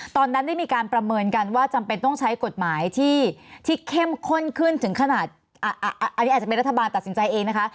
ตอนนั้นได้มีการประเมินกันว่าจำเป็นต้องใช้กฎหมายที่เข้มข้นขึ้นถึงขนาดอันนี้อาจจะเป็นรัฐบาลตัดสินใจเองนะคะ